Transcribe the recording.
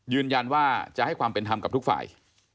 ยืนยันว่าจะให้ความเป็นธรรมกับทุกฝ่าย